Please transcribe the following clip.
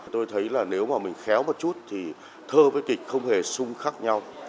tôi thấy là nếu mà mình khéo một chút thì thơ với kịch không hề sung khác nhau